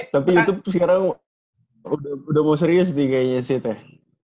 tapi itu sekarang udah mau serius nih kayaknya sih teh